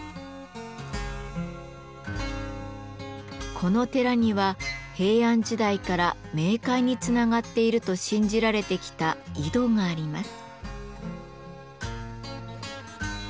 この寺には平安時代から冥界につながっていると信じられてきた井戸があります。